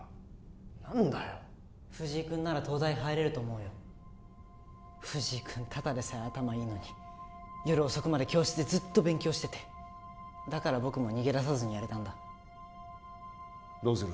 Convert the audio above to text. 何だよ藤井君なら東大入れると思うよ藤井君ただでさえ頭いいのに夜遅くまで教室でずっと勉強しててだから僕も逃げ出さずにやれたんだどうする？